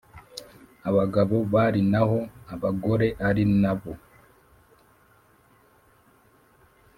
abagabo bari naho abagore ari nabo